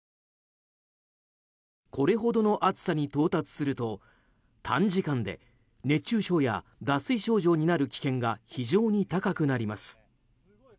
これほどの暑さに到達すると短時間で熱中症や脱水症状になる危険が非常に高くなります。